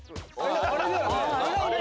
あれだよね？